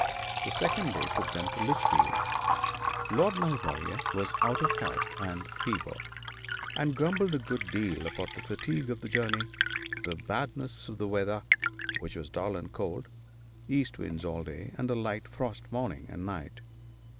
The second day took them to Lichfield. Lord Maulevrier was out of health and feeble, and grumbled a good deal about the fatigue of the journey, the badness of the weather, which was dull and cold, east winds all day, and a light frost morning and night.